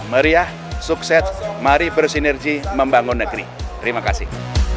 meriah sukses mari bersinergi membangun negeri terima kasih